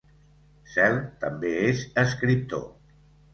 Cehl també és escriptor.